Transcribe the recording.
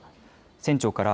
船長から